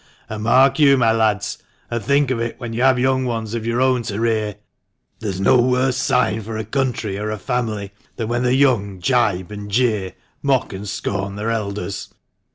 And mark you, my lads, and think of it when you have young ones of your own to rear : there's no worse sign for a country or a family than when the young jibe and jeer, mock and scorn their elders.